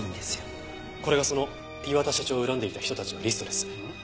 これがその磐田社長を恨んでいた人たちのリストです。